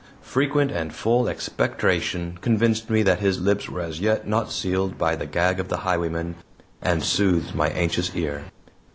Frequent and full expectoration convinced me that his lips were as yet not sealed by the gag of highwaymen, and soothed my anxious ear.